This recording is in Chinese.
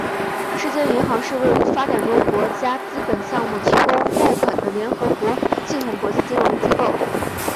世界银行是为发展中国家资本项目提供贷款的联合国系统国际金融机构。